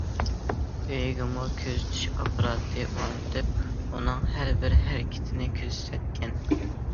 ئۆيىگىمۇ كۆزىتىش ئاپپاراتى ئورنىتىپ، ئۇنىڭ ھەر بىر ھەرىكىتىنى كۆزەتكەن.